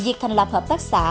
việc thành lập hợp tác xã